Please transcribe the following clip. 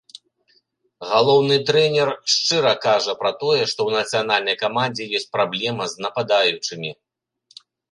Галоўны трэнер шчыра кажа пра тое, што ў нацыянальнай камандзе ёсць праблема з нападаючымі.